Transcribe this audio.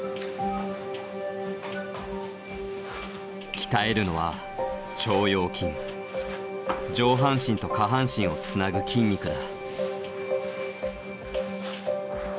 鍛えるのは上半身と下半身をつなぐ筋肉だ。